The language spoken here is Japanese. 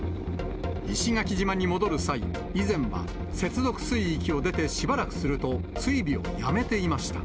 石垣島に戻る際、以前は接続水域を出てしばらくすると、追尾をやめていました。